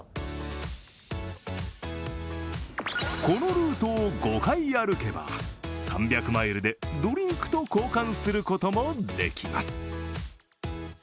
このルートを５回歩けば、３００マイルでドリンクと交換することもできます。